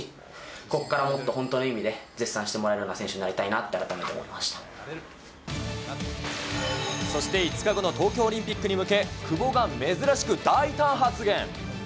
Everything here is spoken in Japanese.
ここからもっと本当の意味で絶賛してもらえるような選手になりたそして５日後の東京オリンピックに向け、久保が珍しく大胆発言。